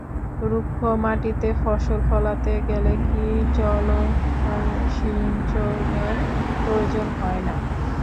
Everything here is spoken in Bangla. রুক্ষ মাটিতে ফসল ফলাতে গেলে কি জলসিঞ্চনের প্রয়োজন হয় না?